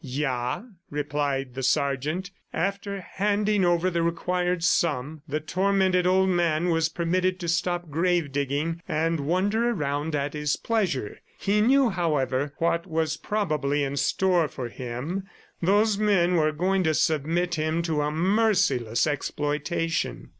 "Ya," replied the sergeant. After handing over the required sum, the tormented old man was permitted to stop grave digging and wander around at his pleasure; he knew, however, what was probably in store for him those men were going to submit him to a merciless exploitation.